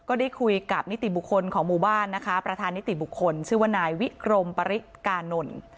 ก็ได้คุยกับนิติบุคคลของหมู่บ้านนะคะประธานนิติบุคคลชื่อว่านายวิกรมปริกานนท์